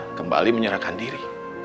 agar elsa kembali menyerahkan diri